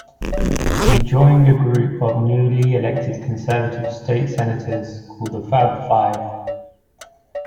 He joined a group of newly elected conservative State Senators called the "Fab Five".